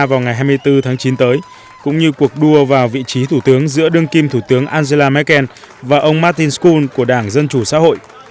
vào ngày hai mươi bốn tháng chín tới cũng như cuộc đua vào vị trí thủ tướng giữa đương kim thủ tướng angela merkel và ông martinskol của đảng dân chủ xã hội